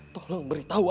tolong beritahu aku